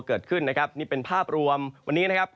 เขินนี่เป็นภาพรวมวันนี้นะครับ